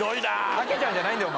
タケちゃんじゃないんだよお前。